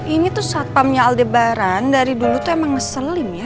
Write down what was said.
ini tuh satpamnya aldebaran dari dulu tuh emang ngeselim ya